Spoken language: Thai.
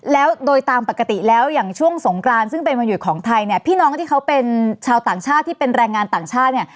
แล้วโดยตามปกติแล้วอย่างช่วงสงกรานซึ่งเป็นวันหยุดของไทยเนี่ยพี่น้องที่เขาเป็นชาวต่างชาติที่เป็นแรงงานต่างชาติเนี่ย